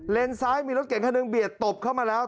เลนส์ซ้ายมีรถเก๋งคันนึงเบียดตบเข้ามาแล้ว